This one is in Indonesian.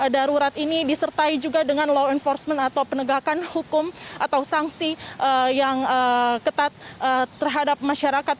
darurat ini disertai juga dengan law enforcement atau penegakan hukum atau sanksi yang ketat terhadap masyarakat